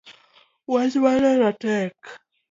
Wach mar hera tek